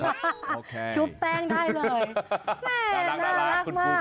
อับโปะอย่างนี้ล่ะลูก